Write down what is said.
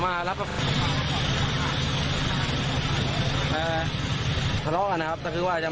แม่โชคดีนะไม่ถึงตายนะ